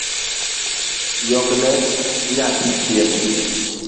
Yokne nyathi chiemo